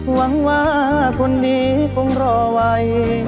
หวังว่าคนนี้คงรอไว้